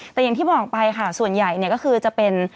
แต่อย่างที่บอกไปค่ะส่วนใหญ่เนี่ยก็คือจะเป็น